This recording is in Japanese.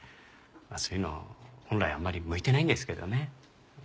そういうの本来あんまり向いてないんですけどね。